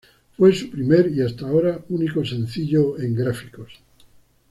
Fue su primer y hasta ahora único sencillo en gráficos.